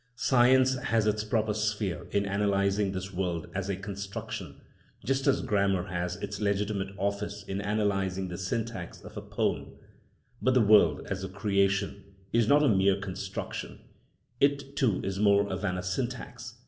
Science has its proper sphere in analysing this world as a construction, just as grammar has its legitimate office in analysing the syntax of a poem. But the world, as a creation, is not a mere construction; it too is more than a syntax.